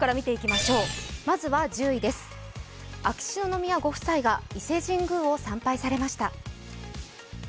秋篠宮ご夫妻が伊勢神宮を参拝されました。